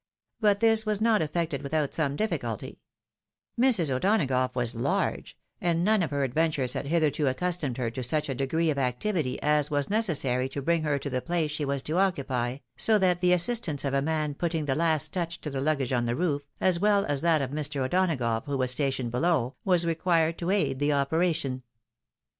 But this was not effected without some difficulty, Mrs. O'Donagough was large, and none of her adventures had hitherto accustomed her to such a degree of activity as was necessary to bring her to the place she was to occupy, so that the assistance of a man putting the last touch to the luggage on the roof, as well as that of Mr. O'Dona gough, who was stationed below, was required to aid the opera tion.